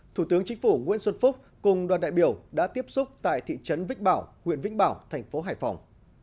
thủ tướng chính phủ nguyễn xuân phúc cùng đoàn đại biểu đã tiếp xúc tại thị trấn vích bảo huyện vích bảo tp hải phòng